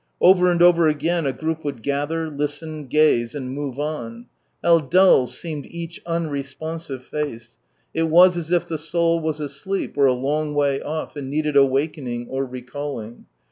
Over and over again a group would gather, listen, gaze, and move on. How dull seemed each unre sponsive face ! It was as if the soul was asleep, or a long way off, and needed awakening or recalling.